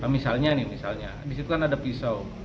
misalnya nih disitu kan ada pisau